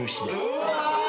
うわ！